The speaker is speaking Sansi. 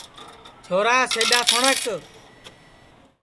چھورا سِڈؔا سُنٚٹؔک